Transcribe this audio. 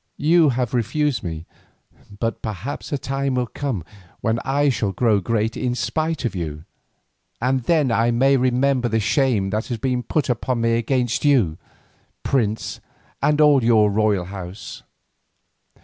You have refused me, but perhaps a time will come when I shall grow great in spite of you, and then I may remember the shame that has been put upon me against you, prince, and all your royal house."